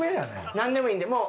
なんでもいいんでもう。